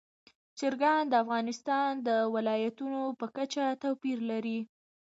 چرګان د افغانستان د ولایاتو په کچه توپیر لري.